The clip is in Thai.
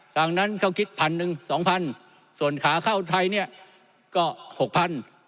ทางนั้นเขาคิดพันหนึ่งสองพันส่วนขาเข้าไทยเนี่ยก็หกพัน